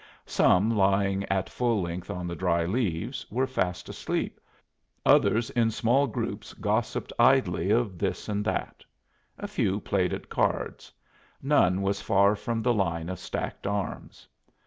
Some lying at full length on the dry leaves were fast asleep: others in small groups gossiped idly of this and that; a few played at cards; none was far from the line of stacked arms.